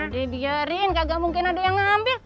dibiarin kagak mungkin ada yang ngambil